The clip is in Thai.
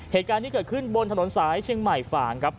เหตุการณ์ที่เกิดขึ้นบนถนนสายเชียงใหม่ฝ่างครับ